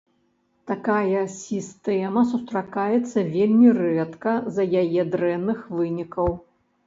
Такая сістэма сустракаецца вельмі рэдка з-за яе дрэнных вынікаў.